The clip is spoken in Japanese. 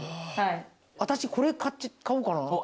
私これ買おうかな。